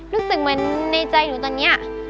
รู้สึกเหมือนในใจหนูตอนนี้